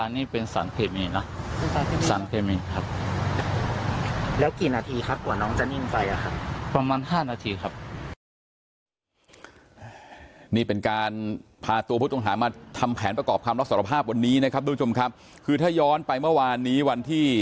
นี่เป็นการพาตัวผู้ต้องหามาทำแผนประกอบคำรับสารภาพวันนี้นะครับทุกผู้ชมครับคือถ้าย้อนไปเมื่อวานนี้วันที่